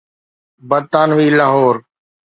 برطانوي لاهور.